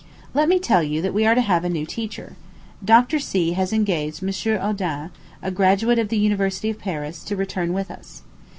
Let me tell you that we are to have a new teacher. Dr. C. has engaged M. Oudin, a graduate of the University of Paris, to return with us.